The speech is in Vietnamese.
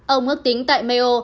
ông ước tính tại mayo